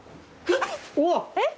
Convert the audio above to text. えっ！？